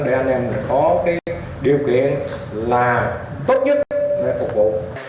để anh em có cái điều kiện là tốt nhất để phục vụ